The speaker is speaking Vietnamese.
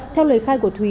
theo lời khai của thúy